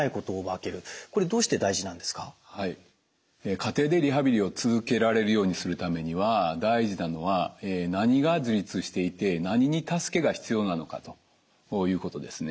家庭でリハビリを続けられるようにするためには大事なのは何が自立していて何に助けが必要なのかということですね。